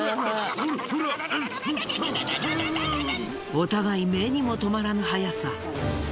お互い目にもとまらぬ速さ。